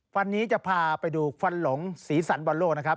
วันนี้จะพาไปดูควันหลงสีสันบอลโลกนะครับ